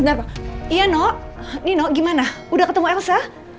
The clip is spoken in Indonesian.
ntar iya noh nino gimana udah ketemu elsa